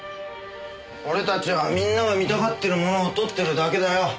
俺たちはみんなが見たがってるものを撮ってるだけだよ。